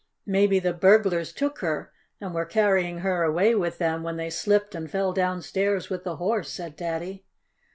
"Maybe the burglars took her and were carrying her away with them when they slipped and fell downstairs with the Horse," said Daddy.